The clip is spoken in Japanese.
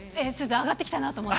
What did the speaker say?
上がってきたなと思って。